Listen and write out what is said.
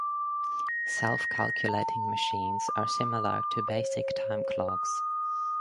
Self-calculating machines are similar to basic time clocks.